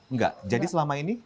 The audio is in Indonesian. enggak jadi selama ini